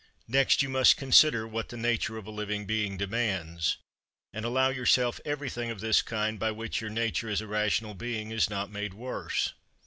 Next you must consider what the nature of a living being demands, and allow yourself everything of this kind by which your nature as a rational being is not made worse.